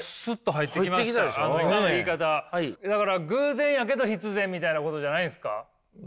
だから偶然やけど必然みたいなことじゃないんすか。